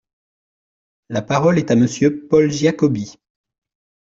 La parole est à Monsieur Paul Giacobbi.